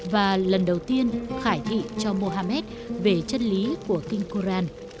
và lần đầu tiên khải thị cho muhammad về chất lý của kinh quran